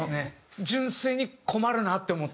純粋に困るなって思って。